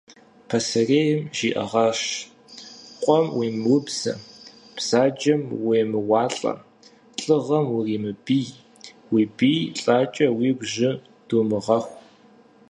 Пасэрейм жиӏэгъащ: къуэм уемыубзэ, бзаджэм уемыуалӏэ, лӏыгъэм уримыбий, уи бий лӏакӏэ уигу жьы думыгъэху.